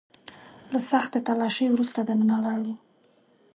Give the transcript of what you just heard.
له سختې تلاشۍ وروسته دننه لاړو.